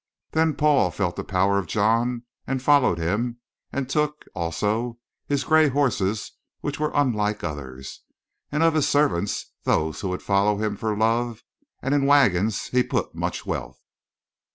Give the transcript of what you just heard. "Then Paul felt the power of John and followed him and took, also, his gray horses which were unlike others, and of his servants those who would follow him for love, and in wagons he put much wealth.